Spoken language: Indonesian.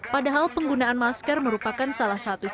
padahal penggunaan masker merupakan salah satu cara